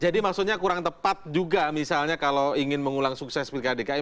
jadi maksudnya kurang tepat juga misalnya kalau ingin mengulang sukses pki dki